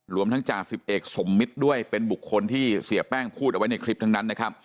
รวมทั้งจ่าสิบเอกสมมิตรด้วยเป็นบุคคลที่เสียแป้งพูดเอาไว้ในคลิปทั้งนั้นนะครับ